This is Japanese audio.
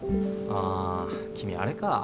あ君あれか。